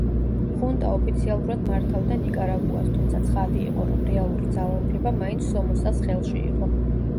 ხუნტა ოფიციალურად მართავდა ნიკარაგუას, თუმცა ცხადი იყო, რომ რეალური ძალაუფლება მაინც სომოსას ხელში იყო.